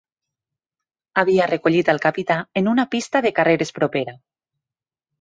Havia recollit el capità en una pista de carreres propera.